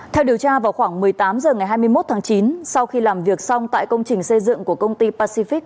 theo điều tra vào khoảng một mươi tám h ngày hai mươi một tháng chín sau khi làm việc xong tại công trình xây dựng của công ty pacific